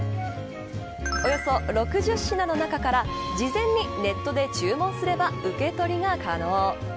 およそ６０品の中から事前にネットで注文すれば受け取りが可能。